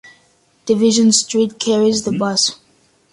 Division Street carries the Bus.